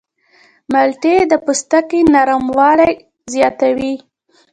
مالټې د پوستکي نرموالی زیاتوي.